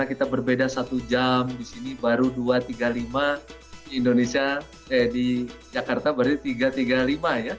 kita berbeda satu jam di sini baru dua tiga puluh lima eh di jakarta berarti tiga tiga puluh lima ya